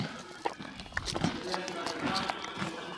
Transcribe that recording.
په تياره كي د جگړې په خلاصېدو سو !.